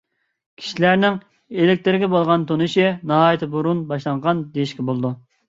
كىشىلەرنىڭ ئېلېكتىرگە بولغان تونۇشىنى ناھايىتى بۇرۇن باشلانغان دېيىشكە بولىدۇ.